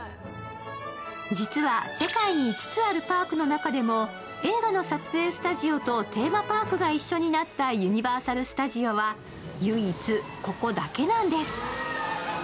実は世界に５つあるパークの中でも映画の撮影スタジオとテーマパークが一緒になったユニバーサル・スタジオは唯一、ここだけなんです。